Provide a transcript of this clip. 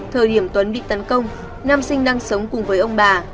thời điểm tuấn bị tấn công nam sinh đang sống cùng với ông bà